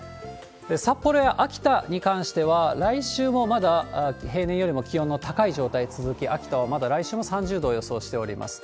札幌や秋田に関しては、来週もまだ平年よりも気温の高い状態続き、秋田はまだ来週も３０度を予想しております。